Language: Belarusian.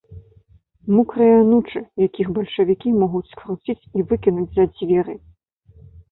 Мокрыя анучы, якіх бальшавікі могуць скруціць і выкінуць за дзверы.